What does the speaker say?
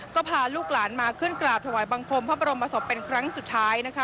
ก็พาลูกหลานมาขึ้นกราบถวายบังคมพระบรมศพเป็นครั้งสุดท้ายนะคะ